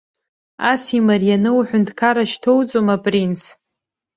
Ас имарианы, уҳәынҭқарра шьҭоуҵома, принц?!